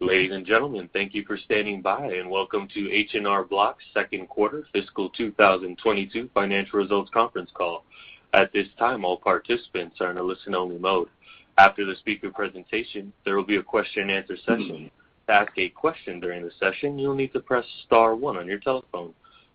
Ladies and gentlemen, thank you for standing by and welcome to H&R Block's second quarter FY22 financial results conference call. At this time, all participants are in a listen-only mode. After the speaker presentation, there will be a question and answer session. To ask a question during the session, you'll need to press star one on your telephone.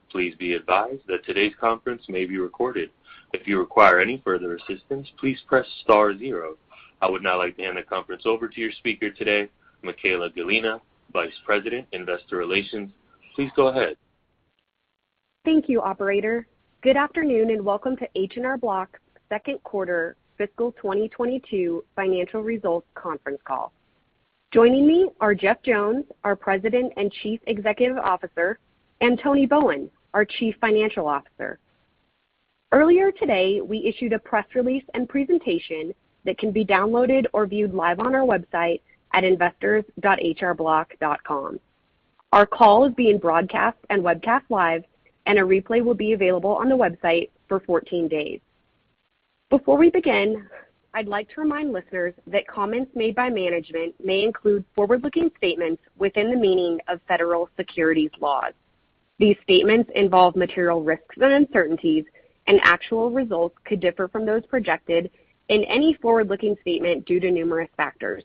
Please be advised that today's conference may be recorded. If you require any further assistance, please press star zero. I would now like to hand the conference over to your speaker today, Michaella Gallina, Vice President, Investor Relations. Please go ahead. Thank you, operator. Good afternoon, and welcome to H&R Block's second quarter FY22 financial results conference call. Joining me are Jeff Jones, our President and Chief Executive Officer, and Tony Bowen, our Chief Financial Officer. Earlier today, we issued a press release and presentation that can be downloaded or viewed live on our website at investors.hrblock.com. Our call is being broadcast and webcast live, and a replay will be available on the website for 14 days. Before we begin, I'd like to remind listeners that comments made by management may include forward-looking statements within the meaning of federal securities laws. These statements involve material risks and uncertainties, and actual results could differ from those projected in any forward-looking statement due to numerous factors.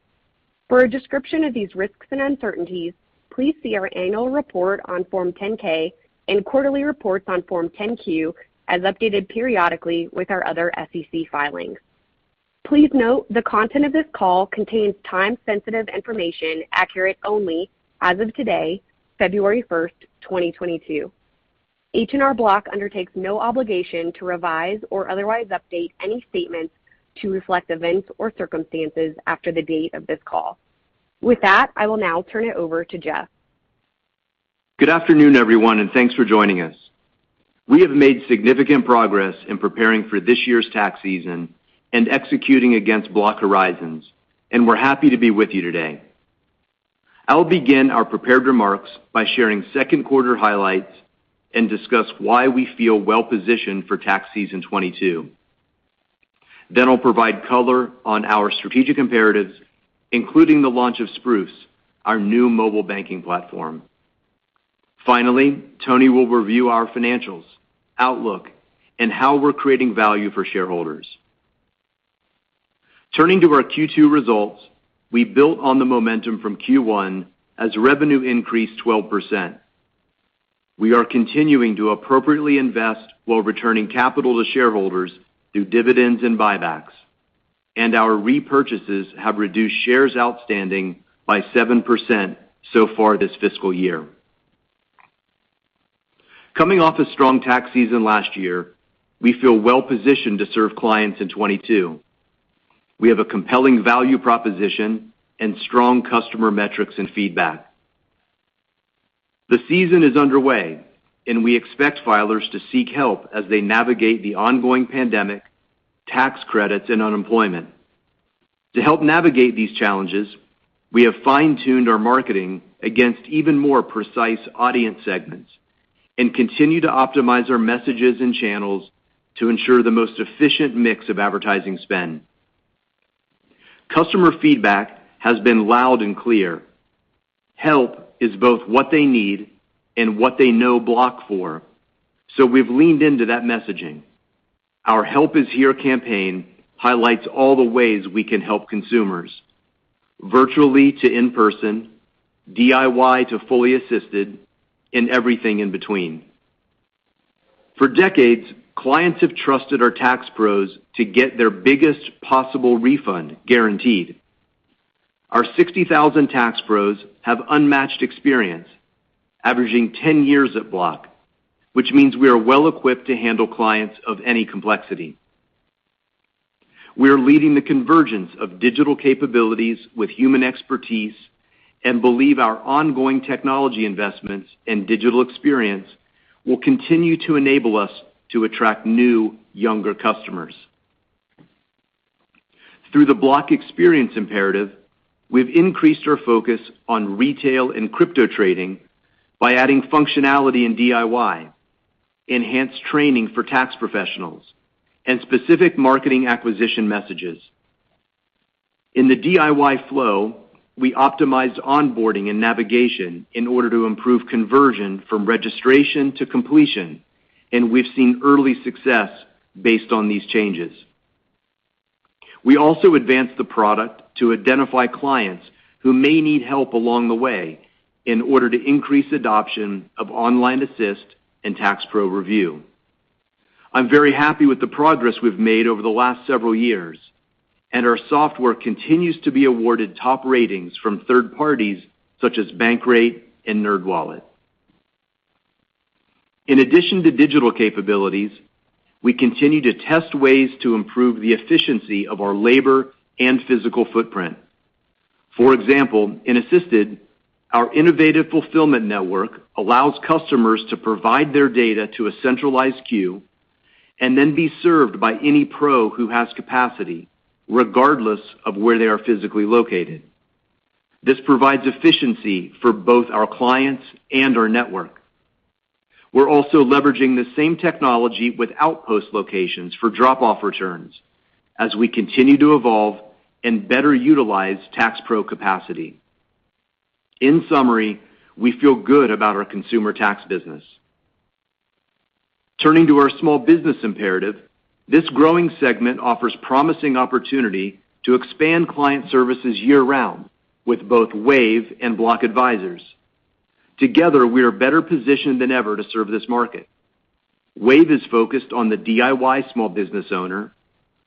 For a description of these risks and uncertainties, please see our annual report on Form 10-K and quarterly reports on Form 10-Q as updated periodically with our other SEC filings. Please note, the content of this call contains time-sensitive information accurate only as of today, February 1st, 2022. H&R Block undertakes no obligation to revise or otherwise update any statements to reflect events or circumstances after the date of this call. With that, I will now turn it over to Jeff. Good afternoon, everyone, and thanks for joining us. We have made significant progress in preparing for this year's tax season and executing against Block Horizons, and we're happy to be with you today. I'll begin our prepared remarks by sharing second quarter highlights and discuss why we feel well positioned for tax season 2022. Then I'll provide color on our strategic imperatives, including the launch of Spruce, our new mobile banking platform. Finally, Tony will review our financials, outlook, and how we're creating value for shareholders. Turning to our Q2 results, we built on the momentum from Q1 as revenue increased 12%. We are continuing to appropriately invest while returning capital to shareholders through dividends and buybacks, and our repurchases have reduced shares outstanding by 7% so far this fiscal year. Coming off a strong tax season last year, we feel well positioned to serve clients in 2022. We have a compelling value proposition and strong customer metrics and feedback. The season is underway, and we expect filers to seek help as they navigate the ongoing pandemic, tax credits and unemployment. To help navigate these challenges, we have fine-tuned our marketing against even more precise audience segments and continue to optimize our messages and channels to ensure the most efficient mix of advertising spend. Customer feedback has been loud and clear. Help is both what they need and what they know Block for, so we've leaned into that messaging. Our Help Is Here campaign highlights all the ways we can help consumers, virtually to in-person, DIY to fully assisted, and everything in between. For decades, clients have trusted our tax pros to get their biggest possible refund guaranteed. Our 60,000 tax pros have unmatched experience, averaging 10 years at Block, which means we are well equipped to handle clients of any complexity. We are leading the convergence of digital capabilities with human expertise and believe our ongoing technology investments and digital experience will continue to enable us to attract new, younger customers. Through the Block Experience imperative, we've increased our focus on retail and crypto trading by adding functionality in DIY, enhanced training for tax professionals, and specific marketing acquisition messages. In the DIY flow, we optimized onboarding and navigation in order to improve conversion from registration to completion, and we've seen early success based on these changes. We also advanced the product to identify clients who may need help along the way in order to increase adoption of Online Assist and Tax Pro Review. I'm very happy with the progress we've made over the last several years, and our software continues to be awarded top ratings from third parties such as Bankrate and NerdWallet. In addition to digital capabilities, we continue to test ways to improve the efficiency of our labor and physical footprint. For example, in Assisted, our innovative fulfillment network allows customers to provide their data to a centralized queue and then be served by any pro who has capacity, regardless of where they are physically located. This provides efficiency for both our clients and our network. We're also leveraging the same technology with outpost locations for drop-off returns as we continue to evolve and better utilize Tax Pro capacity. In summary, we feel good about our consumer tax business. Turning to our small business imperative, this growing segment offers promising opportunity to expand client services year-round with both Wave and Block Advisors. Together, we are better positioned than ever to serve this market. Wave is focused on the DIY small business owner,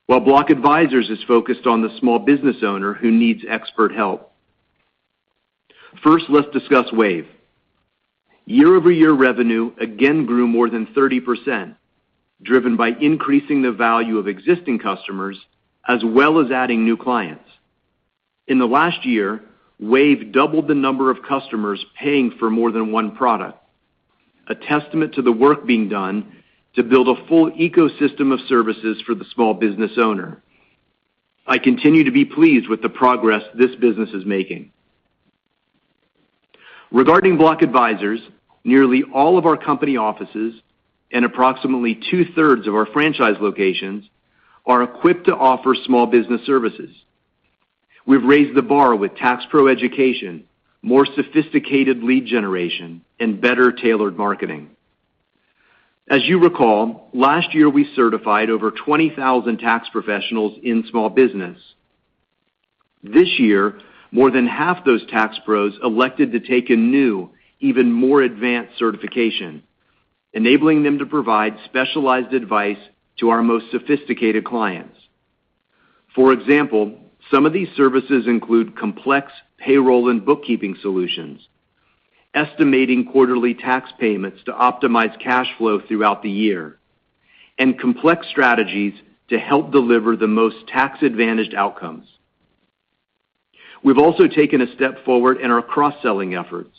while Block Advisors is focused on the small business owner who needs expert help. First, let's discuss Wave. Year-over-year revenue again grew more than 30%, driven by increasing the value of existing customers as well as adding new clients. In the last year, Wave doubled the number of customers paying for more than one product, a testament to the work being done to build a full ecosystem of services for the small business owner. I continue to be pleased with the progress this business is making. Regarding Block Advisors, nearly all of our company offices and approximately two-thirds of our franchise locations are equipped to offer small business services. We've raised the bar with Tax Pro education, more sophisticated lead generation, and better tailored marketing. As you recall, last year, we certified over 20,000 tax professionals in small business. This year, more than half those Tax Pros elected to take a new, even more advanced certification, enabling them to provide specialized advice to our most sophisticated clients. For example, some of these services include complex payroll and bookkeeping solutions, estimating quarterly tax payments to optimize cash flow throughout the year, and complex strategies to help deliver the most tax-advantaged outcomes. We've also taken a step forward in our cross-selling efforts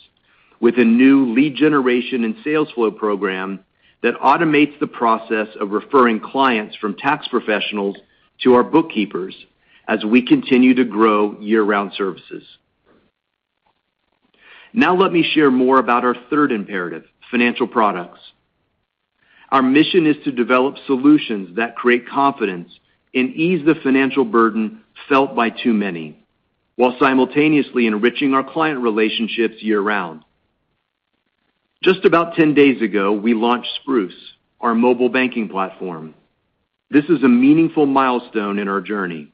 with a new lead generation and sales flow program that automates the process of referring clients from tax professionals to our bookkeepers as we continue to grow year-round services. Now let me share more about our third imperative, financial products. Our mission is to develop solutions that create confidence and ease the financial burden felt by too many while simultaneously enriching our client relationships year-round. Just about 10 days ago, we launched Spruce, our mobile banking platform. This is a meaningful milestone in our journey.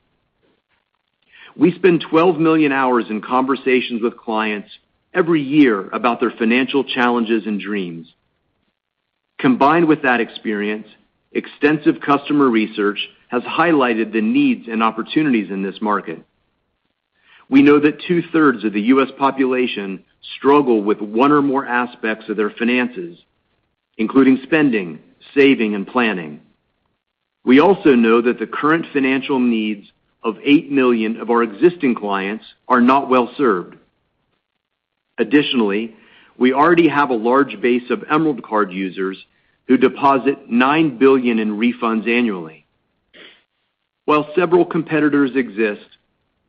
We spend 12 million hours in conversations with clients every year about their financial challenges and dreams. Combined with that experience, extensive customer research has highlighted the needs and opportunities in this market. We know that two-thirds of the U.S. population struggle with one or more aspects of their finances, including spending, saving, and planning. We also know that the current financial needs of 8 million of our existing clients are not well-served. Additionally, we already have a large base of Emerald Card users who deposit $9 billion in refunds annually. While several competitors exist,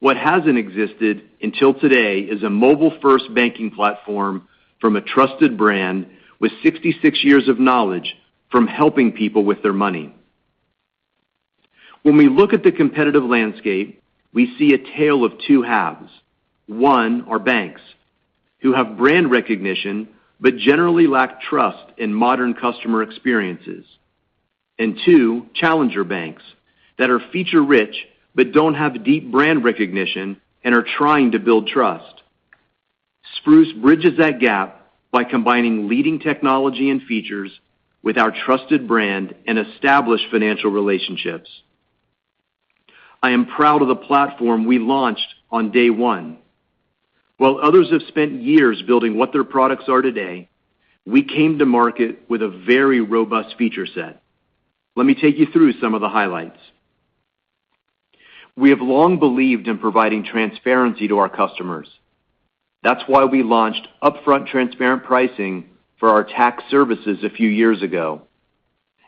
what hasn't existed until today is a mobile-first banking platform from a trusted brand with 66 years of knowledge from helping people with their money. When we look at the competitive landscape, we see a tale of two halves. One are banks who have brand recognition but generally lack trust in modern customer experiences. Two, challenger banks that are feature-rich but don't have deep brand recognition and are trying to build trust. Spruce bridges that gap by combining leading technology and features with our trusted brand and established financial relationships. I am proud of the platform we launched on day one. While others have spent years building what their products are today, we came to market with a very robust feature set. Let me take you through some of the highlights. We have long believed in providing transparency to our customers. That's why we launched upfront transparent pricing for our tax services a few years ago,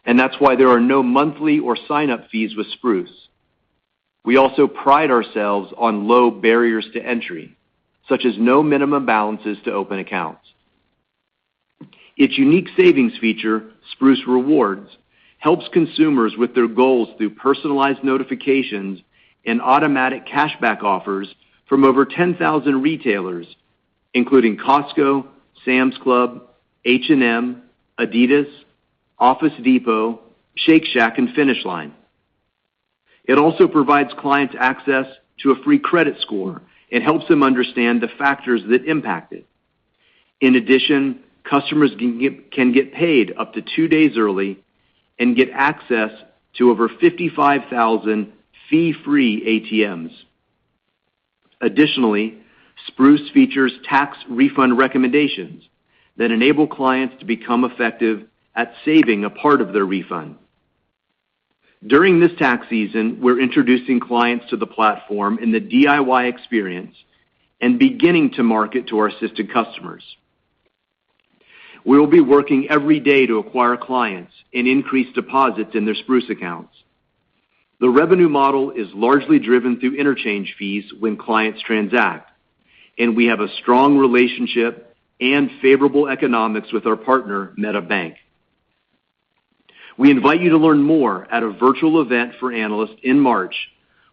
and that's why there are no monthly or sign-up fees with Spruce. We also pride ourselves on low barriers to entry, such as no minimum balances to open accounts. Its unique savings feature, Spruce Rewards, helps consumers with their goals through personalized notifications and automatic cashback offers from over 10,000 retailers, including Costco, Sam's Club, H&M, Adidas, Office Depot, Shake Shack, and Finish Line. It also provides clients access to a free credit score and helps them understand the factors that impact it. In addition, customers can get paid up to two days early and get access to over 55,000 fee-free ATMs. Additionally, Spruce features tax refund recommendations that enable clients to become effective at saving a part of their refund. During this tax season, we're introducing clients to the platform in the DIY experience and beginning to market to our assisted customers. We will be working every day to acquire clients and increase deposits in their Spruce accounts. The revenue model is largely driven through interchange fees when clients transact, and we have a strong relationship and favorable economics with our partner, MetaBank. We invite you to learn more at a virtual event for analysts in March,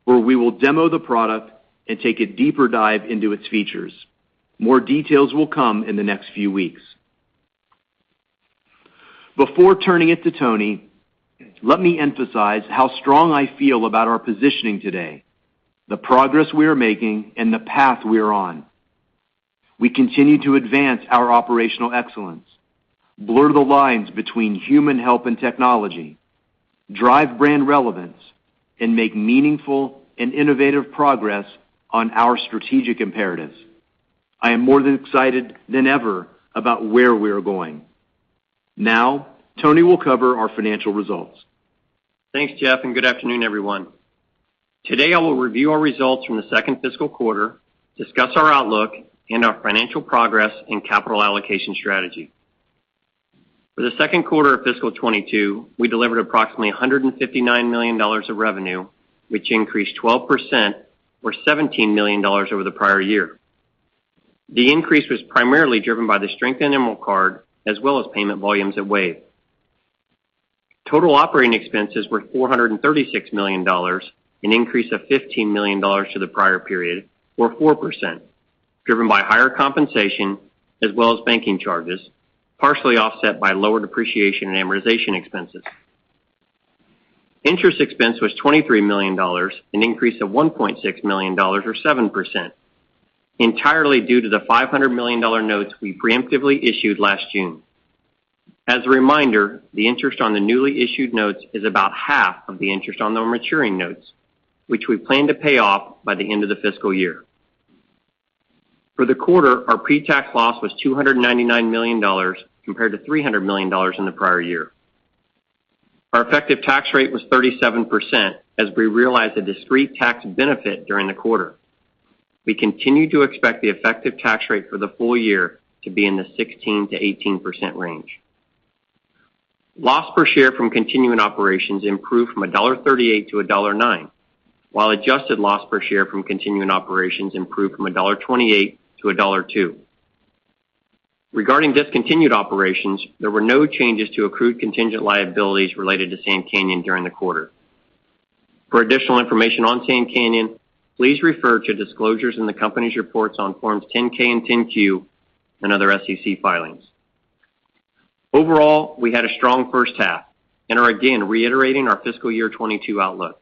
where we will demo the product and take a deeper dive into its features. More details will come in the next few weeks. Before turning it to Tony, let me emphasize how strong I feel about our positioning today, the progress we are making, and the path we are on. We continue to advance our operational excellence, blur the lines between human help and technology, drive brand relevance, and make meaningful and innovative progress on our strategic imperatives. I am more excited than ever about where we are going. Now, Tony will cover our financial results. Thanks, Jeff, and good afternoon, everyone. Today, I will review our results from the second fiscal quarter, discuss our outlook and our financial progress and capital allocation strategy. For the second quarter of FY22, we delivered approximately $159 million of revenue, which increased 12% or $17 million over the prior year. The increase was primarily driven by the strength in Emerald Card, as well as payment volumes at Wave. Total operating expenses were $436 million, an increase of $15 million from the prior period or 4%, driven by higher compensation as well as banking charges, partially offset by lower depreciation and amortization expenses. Interest expense was $23 million, an increase of $1.6 million or 7%, entirely due to the $500 million notes we preemptively issued last June. As a reminder, the interest on the newly issued notes is about half of the interest on the maturing notes, which we plan to pay off by the end of the fiscal year. For the quarter, our pretax loss was $299 million compared to $300 million in the prior year. Our effective tax rate was 37% as we realized a discrete tax benefit during the quarter. We continue to expect the effective tax rate for the full year to be in the 16%-18% range. Loss per share from continuing operations improved from $1.38-$1.09, while adjusted loss per share from continuing operations improved from $1.28-$1.02. Regarding discontinued operations, there were no changes to accrued contingent liabilities related to Sand Canyon during the quarter. For additional information on Sand Canyon, please refer to disclosures in the company's reports on Forms 10-K and 10-Q and other SEC filings. Overall, we had a strong first half and are again reiterating our FY22 outlook.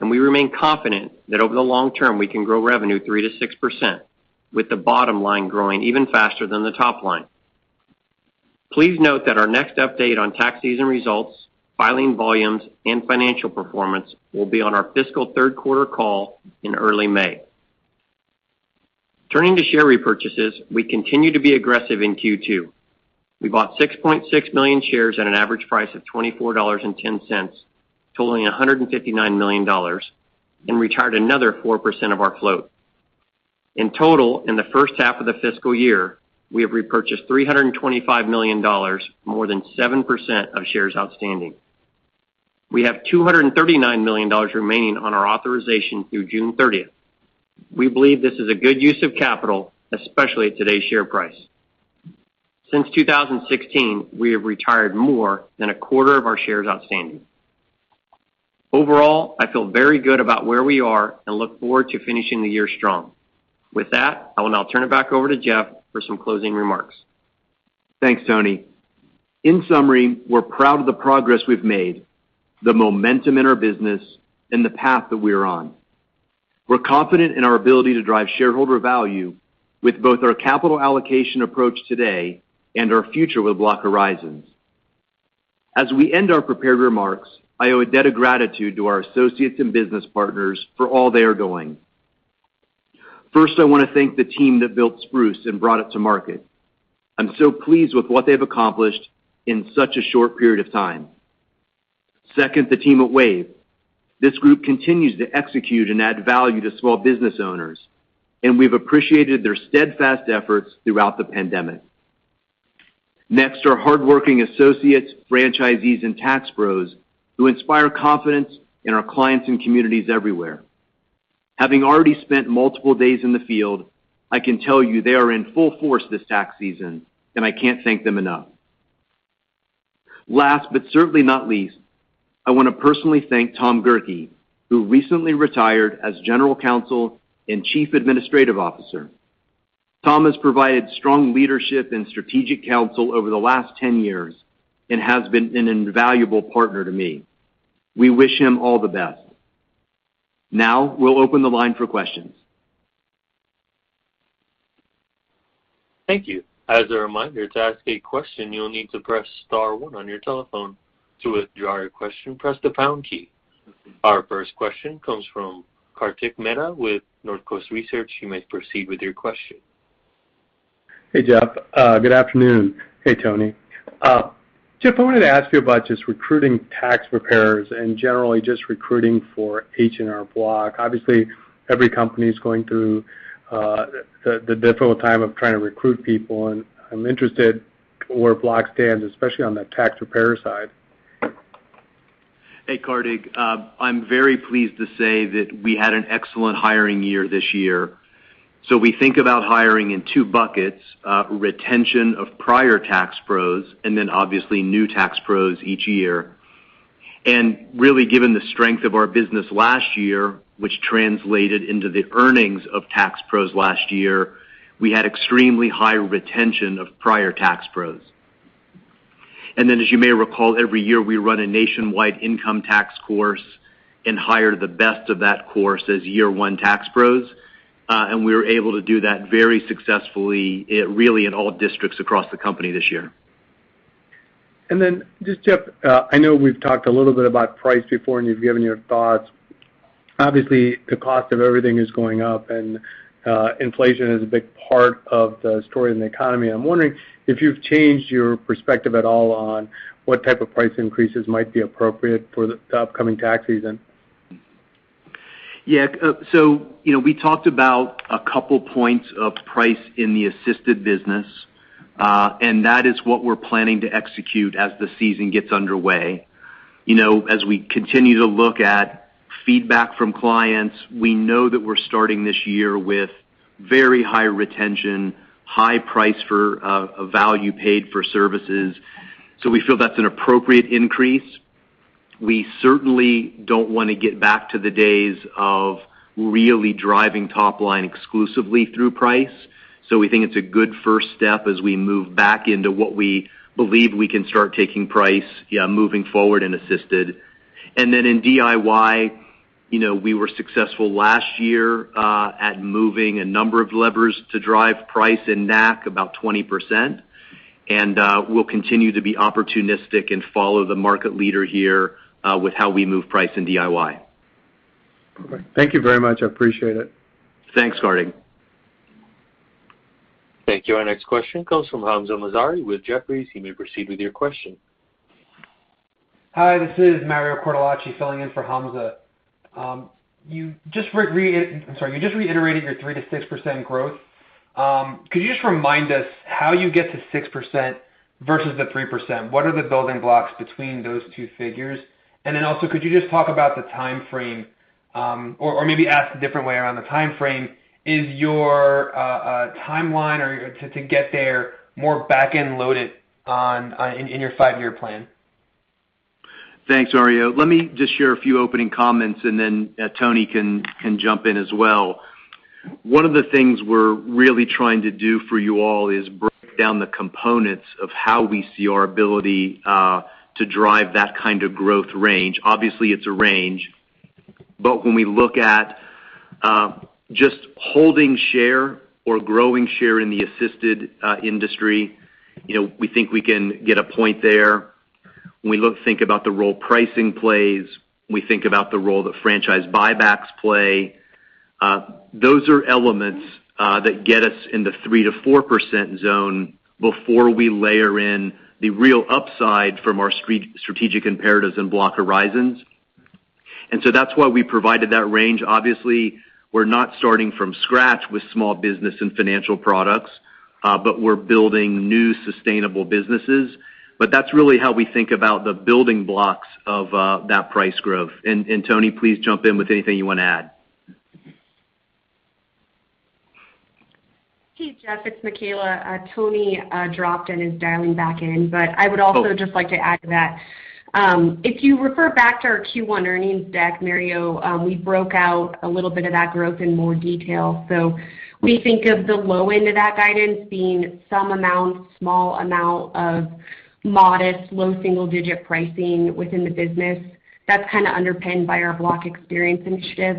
We remain confident that over the long term, we can grow revenue 3%-6%, with the bottom line growing even faster than the top line. Please note that our next update on tax season results, filing volumes, and financial performance will be on our fiscal third quarter call in early May. Turning to share repurchases, we continue to be aggressive in Q2. We bought 6.6 million shares at an average price of $24.10, totaling $159 million, and retired another 4% of our float. In total, in the first half of the fiscal year, we have repurchased $325 million, more than 7% of shares outstanding. We have $239 million remaining on our authorization through June thirtieth. We believe this is a good use of capital, especially at today's share price. Since 2016, we have retired more than a quarter of our shares outstanding. Overall, I feel very good about where we are and look forward to finishing the year strong. With that, I will now turn it back over to Jeff for some closing remarks. Thanks, Tony. In summary, we're proud of the progress we've made, the momentum in our business, and the path that we're on. We're confident in our ability to drive shareholder value with both our capital allocation approach today and our future with Block Horizons. As we end our prepared remarks, I owe a debt of gratitude to our associates and business partners for all they are doing. First, I wanna thank the team that built Spruce and brought it to market. I'm so pleased with what they've accomplished in such a short period of time. Second, the team at Wave. This group continues to execute and add value to small business owners, and we've appreciated their steadfast efforts throughout the pandemic. Next, our hardworking associates, franchisees, and Tax Pros who inspire confidence in our clients and communities everywhere. Having already spent multiple days in the field, I can tell you they are in full force this tax season, and I can't thank them enough. Last, but certainly not least, I wanna personally thank Tom Gerke, who recently retired as General Counsel and Chief Administrative Officer. Tom has provided strong leadership and strategic counsel over the last 10 years and has been an invaluable partner to me. We wish him all the best. Now, we'll open the line for questions. Thank you. As a reminder, to ask a question, you'll need to press star one on your telephone. To withdraw your question, press the pound key. Our first question comes from Kartik Mehta with Northcoast Research. You may proceed with your question. Hey, Jeff. Good afternoon. Hey, Tony. Jeff, I wanted to ask you about just recruiting tax preparers and generally just recruiting for H&R Block. Obviously, every company is going through the difficult time of trying to recruit people, and I'm interested in how H&R Block stands, especially on that tax prep side? Hey, Kartik. I'm very pleased to say that we had an excellent hiring year this year. We think about hiring in two buckets, retention of prior tax pros and then obviously new tax pros each year. Really, given the strength of our business last year, which translated into the earnings of tax pros last year, we had extremely high retention of prior tax pros. As you may recall, every year, we run a nationwide income tax course and hire the best of that course as year one tax pros, and we were able to do that very successfully. It really in all districts across the company this year. Jeff, I know we've talked a little bit about price before, and you've given your thoughts. Obviously, the cost of everything is going up, and inflation is a big part of the story in the economy. I'm wondering if you've changed your perspective at all on what type of price increases might be appropriate for the upcoming tax season. You know, we talked about a couple points of price in the assisted business, and that is what we're planning to execute as the season gets underway. You know, as we continue to look at feedback from clients, we know that we're starting this year with very high retention, high price for value paid for services. We feel that's an appropriate increase. We certainly don't wanna get back to the days of really driving top line exclusively through price. We think it's a good first step as we move back into what we believe we can start taking price, moving forward in assisted. In DIY, you know, we were successful last year at moving a number of levers to drive price in NAC about 20%. We'll continue to be opportunistic and follow the market leader here with how we move price in DIY. Perfect. Thank you very much. I appreciate it. Thanks, Kartik. Thank you. Our next question comes from Hamza Mazari with Jefferies. You may proceed with your question. Hi, this is Mario Cortellacci filling in for Hamza. You just reiterated your 3%-6% growth. Could you just remind us how you get to 6% versus the 3%? What are the building blocks between those two figures? Also, could you just talk about the timeframe, or maybe asked a different way around the timeframe, is your timeline to get there more backend loaded in your five-year plan? Thanks, Mario. Let me just share a few opening comments, and then Tony can jump in as well. One of the things we're really trying to do for you all is break down the components of how we see our ability to drive that kind of growth range. Obviously, it's a range. When we look at just holding share or growing share in the assisted industry, you know, we think we can get a point there. When we think about the role pricing plays, we think about the role that franchise buybacks play. Those are elements that get us in the 3%-4% zone before we layer in the real upside from our strategic imperatives in Block Horizons. That's why we provided that range. Obviously, we're not starting from scratch with small business and financial products, but we're building new sustainable businesses. That's really how we think about the building blocks of that price growth. Tony, please jump in with anything you wanna add. Hey, Jeff, it's Michaela. Tony dropped and is dialing back in. I would also just like to add to that. If you refer back to our Q1 earnings deck, Mario, we broke out a little bit of that growth in more detail. We think of the low end of that guidance being some amount, small amount of modest low-single-digit pricing within the business. That's kinda underpinned by our Block Experience initiative.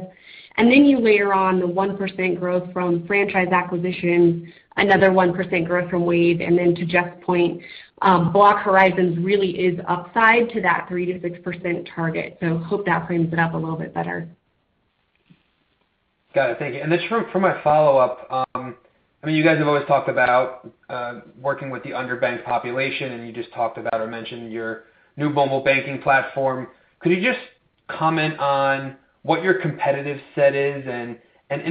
Then you layer on the 1% growth from franchise acquisition, another 1% growth from Wave, and then to Jeff's point, Block Horizons really is upside to that 3%-6% target. Hope that frames it up a little bit better. Got it. Thank you. Then for my follow-up, I mean, you guys have always talked about working with the underbanked population, and you just talked about or mentioned your new mobile banking platform. Could you just comment on what your competitive set is? In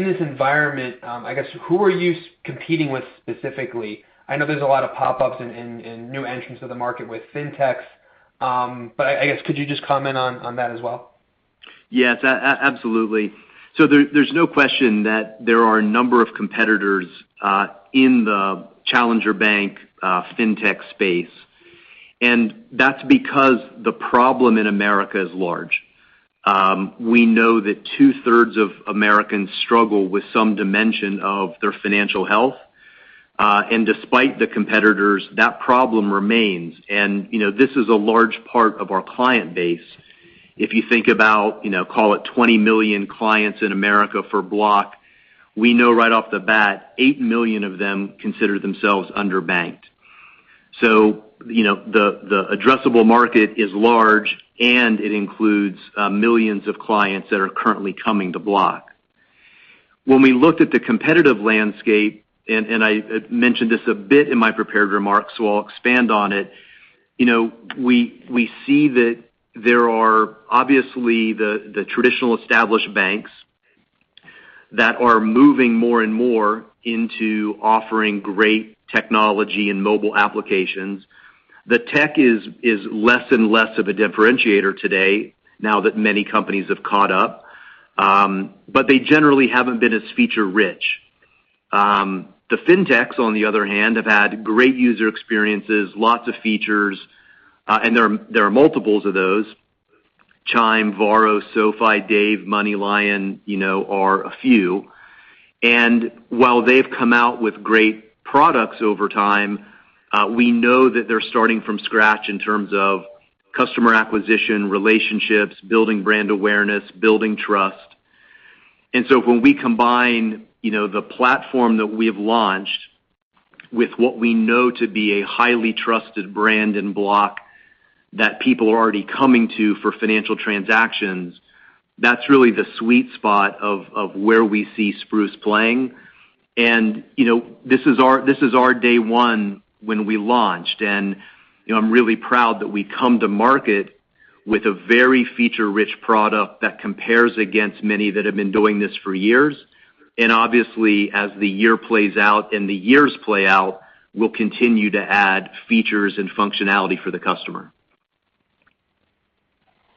this environment, I guess who are you competing with specifically? I know there's a lot of pop-ups and new entrants to the market with fintechs. I guess could you just comment on that as well? Yes. Absolutely. There's no question that there are a number of competitors in the challenger bank, Fintech space, and that's because the problem in America is large. We know that two-thirds of Americans struggle with some dimension of their financial health. Despite the competitors, that problem remains. You know, this is a large part of our client base. If you think about, you know, call it 20 million clients in America for Block, we know right off the bat, 8 million of them consider themselves underbanked. You know, the addressable market is large, and it includes millions of clients that are currently coming to Block. When we looked at the competitive landscape, and I mentioned this a bit in my prepared remarks, so I'll expand on it. You know, we see that there are obviously the traditional established banks that are moving more and more into offering great technology and mobile applications. The tech is less and less of a differentiator today now that many companies have caught up, but they generally haven't been as feature-rich. The fintechs, on the other hand, have had great user experiences, lots of features, and there are multiples of those. Chime, Varo, SoFi, Dave, MoneyLion, you know, are a few. While they've come out with great products over time, we know that they're starting from scratch in terms of customer acquisition, relationships, building brand awareness, building trust. When we combine, you know, the platform that we have launched with what we know to be a highly trusted brand in Block that people are already coming to for financial transactions, that's really the sweet spot of where we see Spruce playing. You know, this is our day one when we launched. You know, I'm really proud that we come to market with a very feature-rich product that compares against many that have been doing this for years. Obviously, as the year plays out and the years play out, we'll continue to add features and functionality for the customer.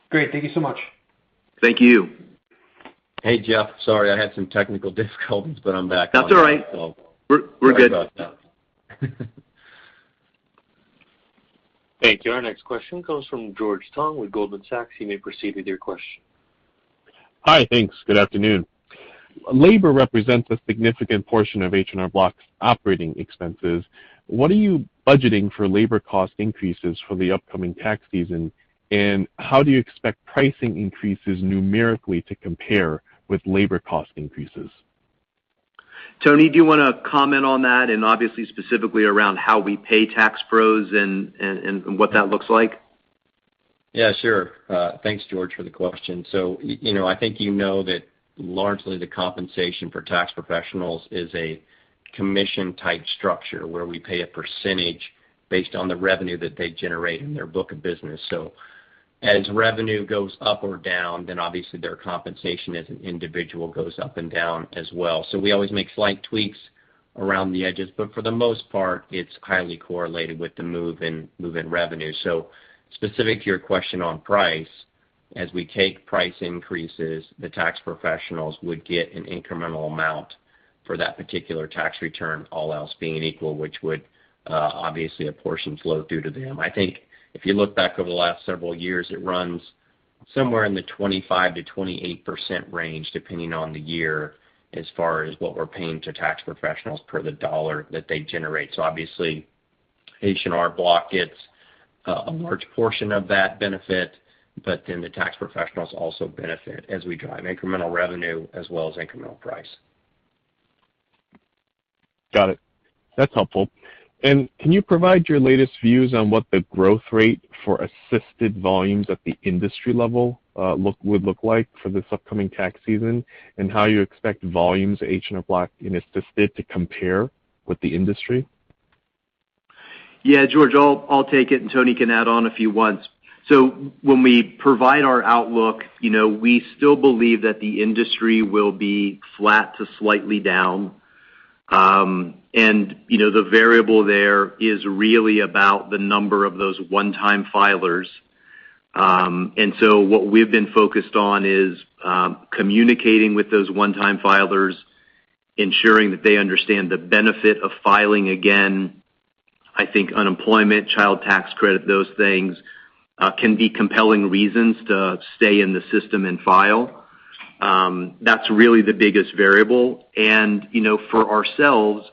Great. Thank you so much. Thank you. Hey, Jeff. Sorry, I had some technical difficulties, but I'm back now. That's all right. Sorry about that. We're good. Thank you. Our next question comes from George Tong with Goldman Sachs. You may proceed with your question. Hi. Thanks. Good afternoon. Labor represents a significant portion of H&R Block's operating expenses. What are you budgeting for labor cost increases for the upcoming tax season? How do you expect pricing increases numerically to compare with labor cost increases? Tony, do you wanna comment on that and obviously specifically around how we pay tax pros and what that looks like? Yeah, sure. Thanks, George, for the question. You know, I think you know that largely the compensation for tax professionals is a commission type structure where we pay a percentage based on the revenue that they generate in their book of business. As revenue goes up or down, then obviously their compensation as an individual goes up and down as well. We always make slight tweaks around the edges, but for the most part, it's highly correlated with the movement in revenue. Specific to your question on price, as we take price increases, the tax professionals would get an incremental amount for that particular tax return, all else being equal, which would obviously a portion flow through to them. I think if you look back over the last several years, it runs somewhere in the 25%-28% range, depending on the year as far as what we're paying to tax professionals per the dollar that they generate. Obviously H&R Block gets a large portion of that benefit, but then the tax professionals also benefit as we drive incremental revenue as well as incremental price. Got it. That's helpful. Can you provide your latest views on what the growth rate for assisted volumes at the industry level would look like for this upcoming tax season, and how you expect volumes H&R Block in assisted to compare with the industry? Yeah, George, I'll take it, and Tony can add on if you want. When we provide our outlook, you know, we still believe that the industry will be flat to slightly down. You know, the variable there is really about the number of those one-time filers. What we've been focused on is communicating with those one-time filers, ensuring that they understand the benefit of filing again. I think unemployment, child tax credit, those things can be compelling reasons to stay in the system and file. That's really the biggest variable. You know, for ourselves,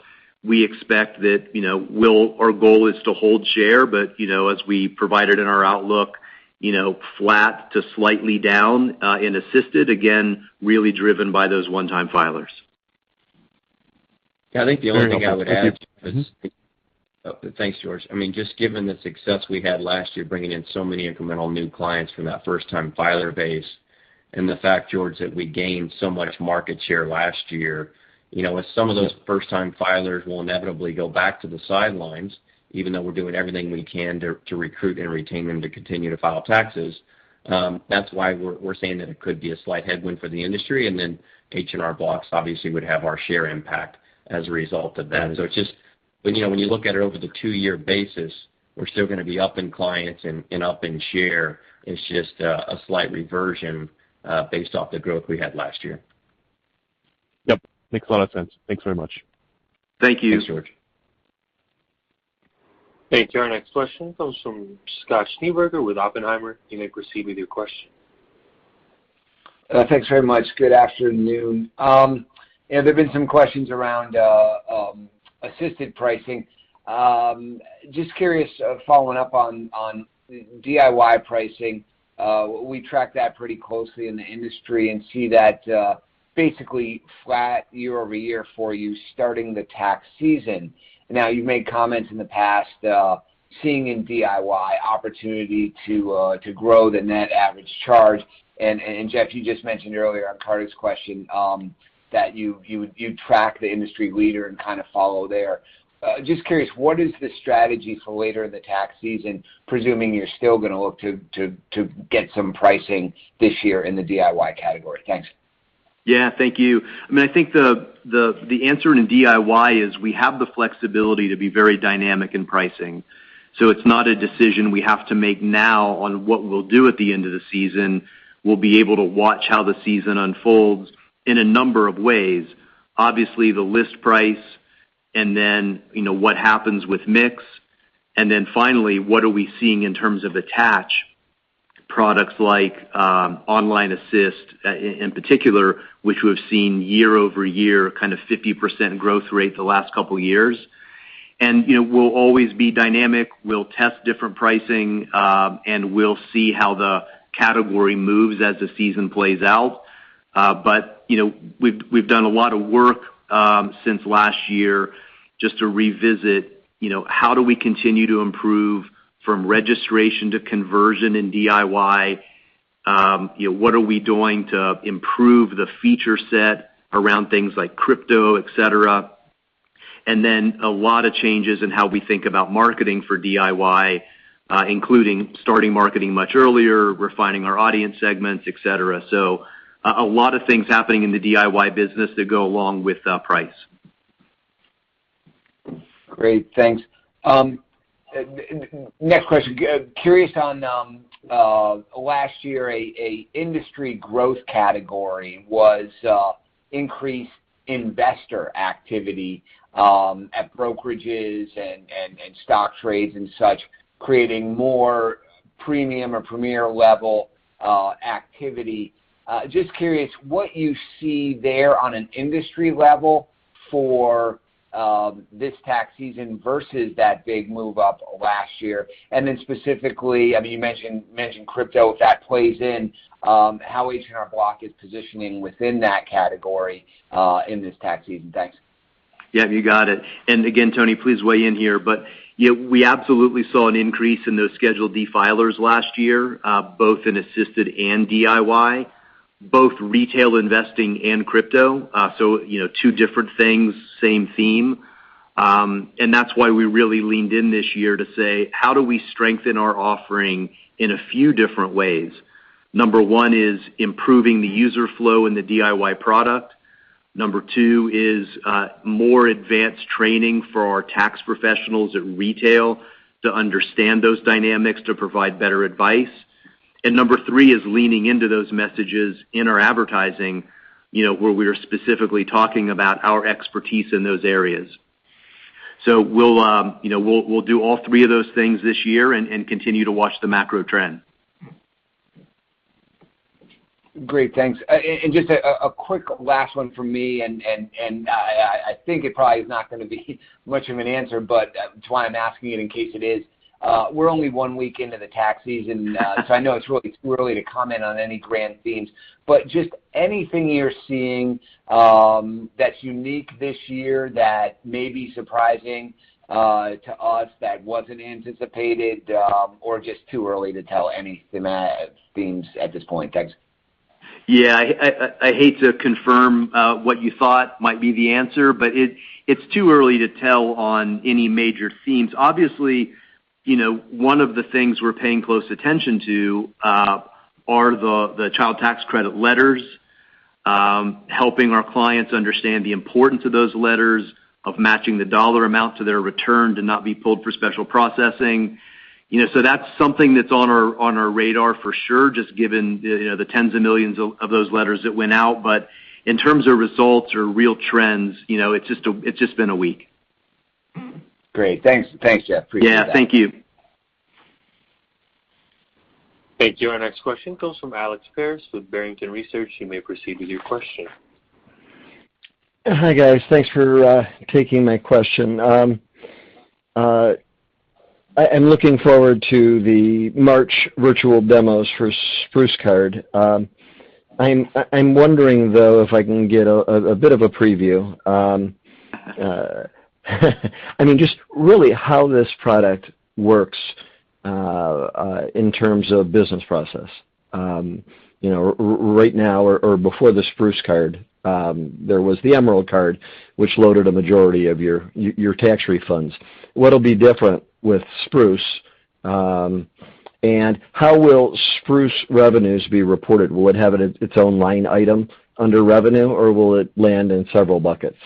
we expect that, you know, our goal is to hold share, but, you know, as we provided in our outlook, you know, flat to slightly down in assisted, again, really driven by those one-time filers. Yeah, I think the only thing I would add is. Very helpful. Thank you. Mm-hmm. Oh, thanks, George. I mean, just given the success we had last year, bringing in so many incremental new clients from that first-time filer base and the fact, George, that we gained so much market share last year. You know, as some of those first-time filers will inevitably go back to the sidelines, even though we're doing everything we can to recruit and retain them to continue to file taxes, that's why we're saying that it could be a slight headwind for the industry, and then H&R Block obviously would have our share impact as a result of that. So it's just you know, when you look at it over the two-year basis, we're still gonna be up in clients and up in share. It's just a slight reversion based off the growth we had last year. Yep. Makes a lot of sense. Thanks very much. Thank you. Thanks, George. Thank you. Our next question comes from Scott Schneeberger with Oppenheimer. You may proceed with your question. Thanks very much. Good afternoon. There've been some questions around assisted pricing. Just curious, following up on DIY pricing. We track that pretty closely in the industry and see that basically flat year-over-year for you starting the tax season. Now, you've made comments in the past, seeing an opportunity in DIY to grow the net average charge. Jeff, you just mentioned earlier on Kartik's question that you track the industry leader and kind of follow there. Just curious, what is the strategy for later in the tax season, presuming you're still gonna look to get some pricing this year in the DIY category? Thanks. Yeah. Thank you. I mean, I think the answer in DIY is we have the flexibility to be very dynamic in pricing. It's not a decision we have to make now on what we'll do at the end of the season. We'll be able to watch how the season unfolds in a number of ways. Obviously, the list price and then, you know, what happens with mix, and then finally, what are we seeing in terms of attach products like Online Assist in particular, which we have seen year-over-year 50% growth rate the last couple years. You know, we'll always be dynamic. We'll test different pricing, and we'll see how the category moves as the season plays out. You know, we've done a lot of work since last year just to revisit, you know, how do we continue to improve from registration to conversion in DIY. You know, what are we doing to improve the feature set around things like crypto, et cetera. A lot of changes in how we think about marketing for DIY, including starting marketing much earlier, refining our audience segments, et cetera. A lot of things happening in the DIY business that go along with price. Great. Thanks. Next question. Curious on last year, a industry growth category was increased investor activity at brokerages and stock trades and such, creating more premium or premier level activity. Just curious what you see there on an industry level for this tax season versus that big move up last year. Then specifically, I mean, you mentioned crypto, if that plays in, how H&R Block is positioning within that category in this tax season. Thanks. Yeah, you got it. Again, Tony, please weigh in here. Yeah, we absolutely saw an increase in those Schedule D filers last year, both in assisted and DIY, both retail investing and crypto. So, you know, two different things, same theme. And that's why we really leaned in this year to say, "How do we strengthen our offering in a few different ways?" Number one is improving the user flow in the DIY product. Number two is more advanced training for our tax professionals at retail to understand those dynamics to provide better advice. Number three is leaning into those messages in our advertising, you know, where we are specifically talking about our expertise in those areas. We'll do all three of those things this year and continue to watch the macro trend. Great. Thanks. And just a quick last one from me, and I think it probably is not gonna be much of an answer, but that's why I'm asking it in case it is. We're only one week into the tax season, so I know it's really early to comment on any grand themes, but just anything you're seeing that's unique this year that may be surprising to us that wasn't anticipated, or just too early to tell any themes at this point? Thanks. Yeah. I hate to confirm what you thought might be the answer, but it's too early to tell on any major themes. Obviously, you know, one of the things we're paying close attention to are the child tax credit letters, helping our clients understand the importance of those letters, of matching the dollar amount to their return to not be pulled for special processing. You know, so that's something that's on our radar for sure, just given the, you know, the tens of millions of those letters that went out. But in terms of results or real trends, you know, it's just been a week. Great. Thanks. Thanks, Jeff. Appreciate that. Yeah, thank you. Thank you. Our next question comes from Alex Paris with Barrington Research. You may proceed with your question. Hi, guys. Thanks for taking my question. I am looking forward to the March virtual demos for Spruce Card. I'm wondering, though, if I can get a bit of a preview. I mean, just really how this product works in terms of business process. You know, right now or before the Spruce card, there was the Emerald Card, which loaded a majority of your tax refunds. What'll be different with Spruce? How will Spruce revenues be reported? Will it have its own line item under revenue, or will it land in several buckets?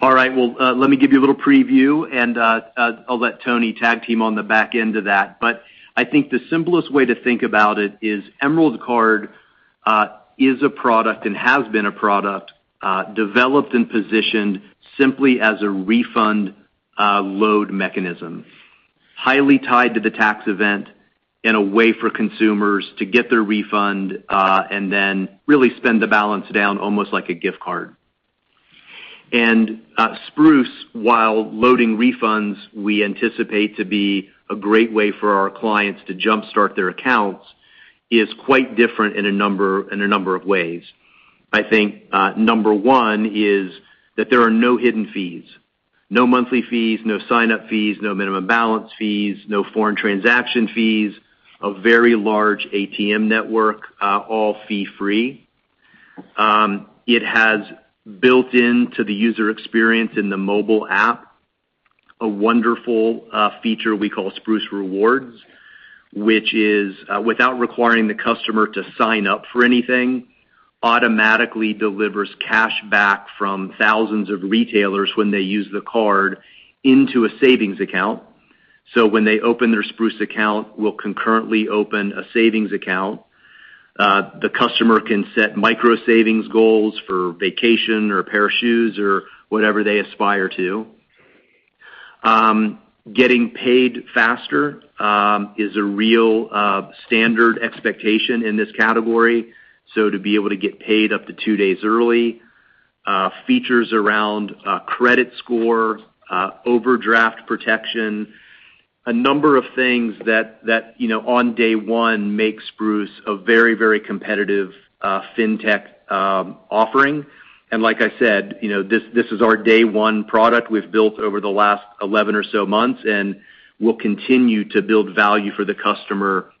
All right. Well, let me give you a little preview, and I'll let Tony tag team on the back end of that. I think the simplest way to think about it is Emerald Card is a product and has been a product developed and positioned simply as a refund load mechanism, highly tied to the tax event in a way for consumers to get their refund and then really spend the balance down almost like a gift card. Spruce, while loading refunds, we anticipate to be a great way for our clients to jumpstart their accounts, is quite different in a number of ways. I think, number one is that there are no hidden fees, no monthly fees, no sign-up fees, no minimum balance fees, no foreign transaction fees, a very large ATM network, all fee-free. It has built into the user experience in the mobile app. A wonderful feature we call Spruce Rewards, which is, without requiring the customer to sign up for anything, automatically delivers cashback from thousands of retailers when they use the card into a savings account. When they open their Spruce account, we'll concurrently open a savings account. The customer can set micro-savings goals for vacation or a pair of shoes or whatever they aspire to. Getting paid faster is a real standard expectation in this category. To be able to get paid up to two days early. Features around credit score, overdraft protection, a number of things that you know on day one make Spruce a very competitive fintech offering. Like I said, you know, this is our day one product we've built over the last 11 or so months, and we'll continue to build value for the customer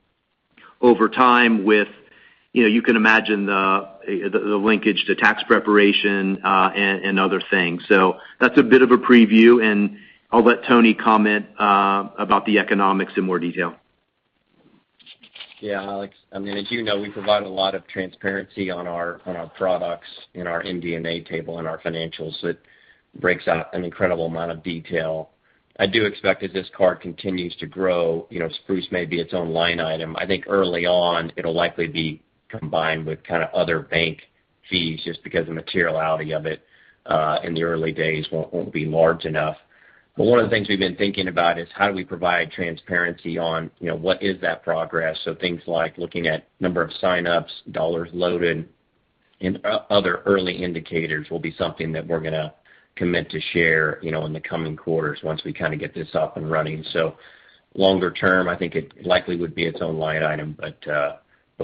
over time with you know you can imagine the linkage to tax preparation and other things. That's a bit of a preview, and I'll let Tony comment about the economics in more detail. Yeah, Alex. I mean, as you know, we provide a lot of transparency on our, on our products in our MD&A table and our financials. It breaks out an incredible amount of detail. I do expect as this card continues to grow, you know, Spruce may be its own line item. I think early on it'll likely be combined with kind of other bank fees just because the materiality of it in the early days won't be large enough. But one of the things we've been thinking about is how do we provide transparency on, you know, what is that progress? So things like looking at number of sign-ups, dollars loaded, and other early indicators will be something that we're gonna commit to share, you know, in the coming quarters once we kinda get this up and running. Longer term, I think it likely would be its own line item.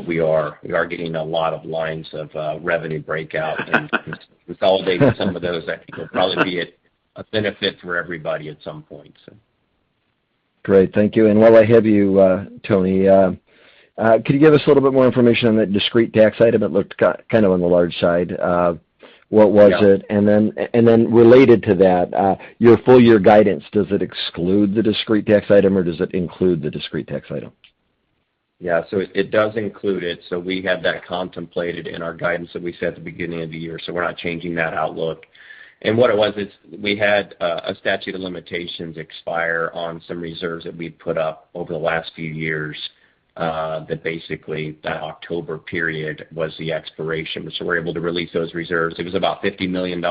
We are getting a lot of lines of revenue breakout. Consolidating some of those I think will probably be a benefit for everybody at some point, so. Great. Thank you. While I have you, Tony, could you give us a little bit more information on that discrete tax item? It looked kind of on the large side. What was it? Yeah. Related to that, your full-year guidance, does it exclude the discrete tax item, or does it include the discrete tax item? Yeah. It does include it, so we have that contemplated in our guidance that we set at the beginning of the year, so we're not changing that outlook. What it was is we had a statute of limitations expire on some reserves that we'd put up over the last few years, that basically that October period was the expiration. We're able to release those reserves. It was about $50 million,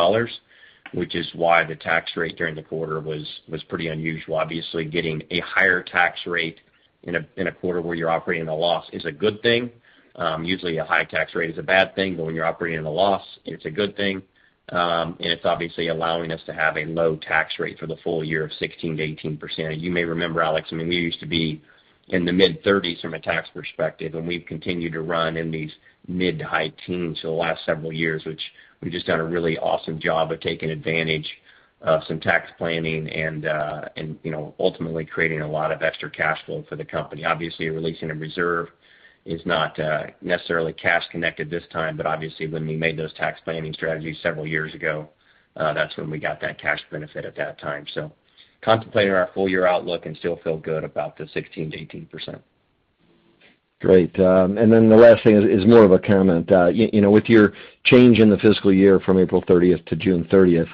which is why the tax rate during the quarter was pretty unusual. Obviously, getting a higher tax rate in a quarter where you're operating at a loss is a good thing. Usually a high tax rate is a bad thing, but when you're operating at a loss, it's a good thing. It's obviously allowing us to have a low tax rate for the full-year of 16%-18%. You may remember, Alex, I mean, we used to be in the mid-30s from a tax perspective, and we've continued to run in these mid- to high teens for the last several years, which we've just done a really awesome job of taking advantage of some tax planning and you know, ultimately creating a lot of extra cash flow for the company. Obviously, releasing a reserve is not necessarily cash connected this time. Obviously, when we made those tax planning strategies several years ago, that's when we got that cash benefit at that time. Contemplating our full-year outlook and still feel good about the 16%-18%. Great. The last thing is more of a comment. You know, with your change in the fiscal year from April 30th to June 30th,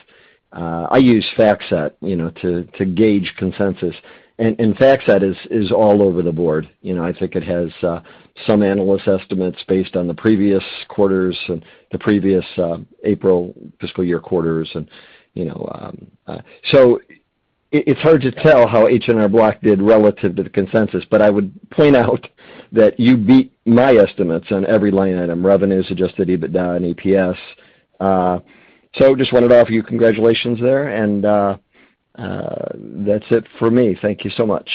I use FactSet, you know, to gauge consensus. FactSet is all over the board. You know, I think it has some analyst estimates based on the previous quarters and the previous April fiscal year quarters. It's hard to tell how H&R Block did relative to the consensus, but I would point out that you beat my estimates on every line item, revenues, Adjusted EBITDA and EPS. Just wanted to offer you congratulations there. That's it for me. Thank you so much.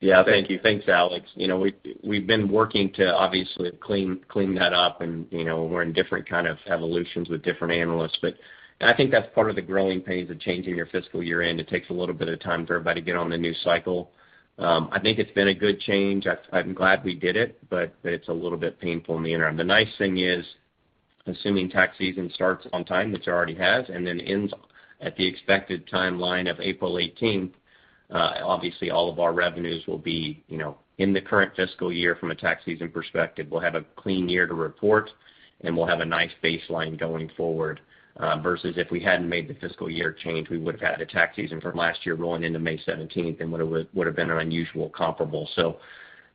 Yeah. Thank you. Thanks, Alex. You know, we've been working to obviously clean that up and, you know, we're in different kind of evolutions with different analysts. I think that's part of the growing pains of changing your fiscal year end. It takes a little bit of time for everybody to get on the new cycle. I think it's been a good change. I'm glad we did it, but it's a little bit painful in the interim. The nice thing is, assuming tax season starts on time, which it already has, and then ends at the expected timeline of April 18th, obviously all of our revenues will be, you know, in the current fiscal year from a tax season perspective. We'll have a clean year to report, and we'll have a nice baseline going forward. versus if we hadn't made the fiscal year change, we would have had a tax season from last year rolling into May 17th, and would have been an unusual comparable.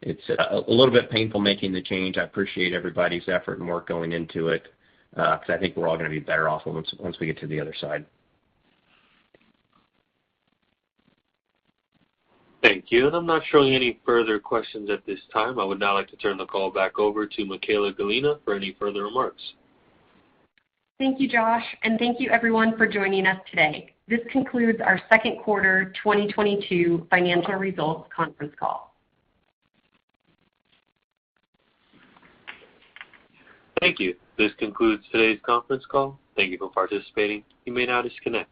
It's a little bit painful making the change. I appreciate everybody's effort and work going into it, 'cause I think we're all gonna be better off once we get to the other side. Thank you. I'm not showing any further questions at this time. I would now like to turn the call back over to Michaella Gallina for any further remarks. Thank you, Josh. Thank you everyone for joining us today. This concludes our second quarter 2022 financial results conference call. Thank you. This concludes today's conference call. Thank you for participating. You may now disconnect.